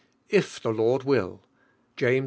If the Lord will (James IV.